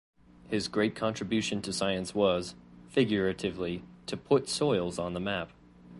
His great contribution to science was, figuratively, to "put soils on the map".